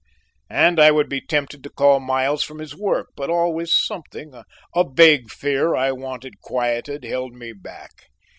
and I would be tempted to call Miles from his work, but always something a vague fear I wanted quieted, held me back.